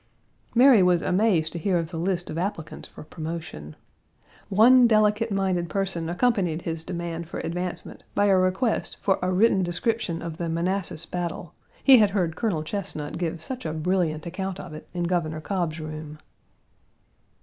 Mary was amazed to hear of the list of applicants for promotion. One delicate minded person accompanied his demand for advancement by a request for a written description of the Manassas battle; he had heard Colonel Chesnut give such a brilliant account of it in Governor Cobb's room.